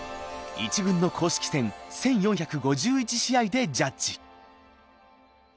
１軍の公式戦１，４５１試合でジャッジ。